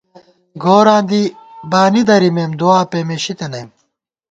گوراں دی بانی درِمېم دُعا پېمېشی تنئیم